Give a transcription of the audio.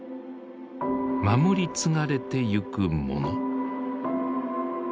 守り継がれていくもの。